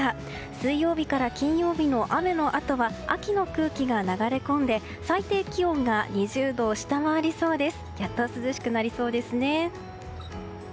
水曜日から金曜日の雨のあとは秋の空気が流れ込み最低気温が２０度を下回りそうです。